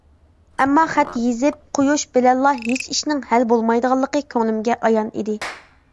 ئەمما خەت يېزىپ قويۇش بىلەنلا ھېچ ئىشنىڭ ھەل بولمايدىغانلىقى كۆڭلۈمگە ئايان ئىدى.